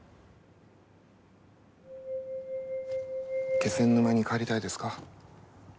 気仙沼に帰りたいですか？